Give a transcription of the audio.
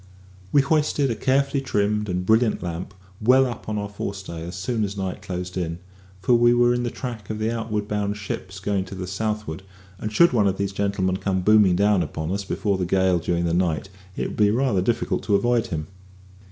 We hoisted a carefully trimmed and brilliant lamp well up on our fore stay as soon as night closed in, for we were in the track of the outward bound ships going to the southward, and should one of these gentlemen come booming down upon us before the gale during the night, it would be rather difficult to avoid him.